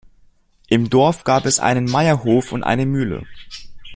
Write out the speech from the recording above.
Im Dorf gab es einen Meierhof und eine Mühle.